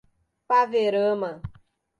Paverama